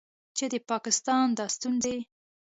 چې د پاکستان دا ستونځې